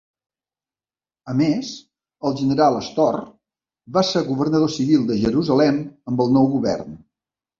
A més, el general Storr va ser governador civil de Jerusalem amb el nou govern.